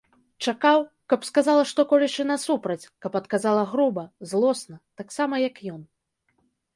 Чакаў, каб сказала што-колечы насупраць, каб адказала груба, злосна, таксама, як ён.